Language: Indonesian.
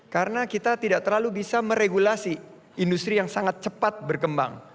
karena kita tidak terlalu bisa meregulasi industri yang sangat cepat berkembang